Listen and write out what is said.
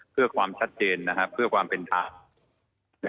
เพื่อความชัดเจนเพื่อความเป็นธรรม